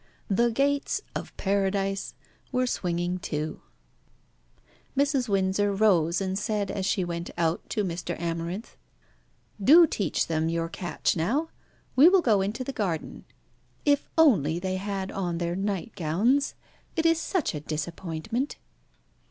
The gates of Paradise were swinging to. Mrs. Windsor rose, and said, as she went out, to Mr. Amarinth "Do teach them your catch now. We will go into the garden. If only they had on their nightgowns? It is such a disappointment."